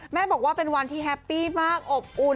บอกว่าเป็นวันที่แฮปปี้มากอบอุ่น